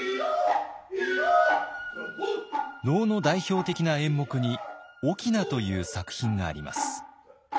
能の代表的な演目に「翁」という作品があります。